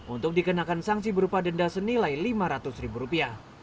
untuk dikenakan sanksi berupa denda senilai lima ratus ribu rupiah